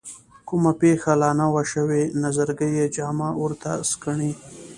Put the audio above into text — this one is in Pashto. کومه پېښه لا نه وي شوې نظرګي یې جامه ورته سکڼي.